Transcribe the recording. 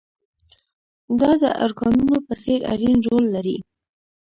دا د ارګانونو په څېر اړين رول لري.